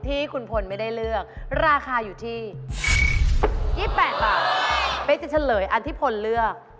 ที่คุณพลไม่ได้เลือกราคาอยู่ที่๒๘บาทเป๊กจะเฉลยอันที่พลเลือก